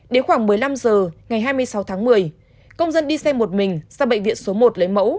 đến khoảng một mươi năm h ngày hai mươi sáu tháng một mươi công dân đi xe một mình sang bệnh viện số một lấy mẫu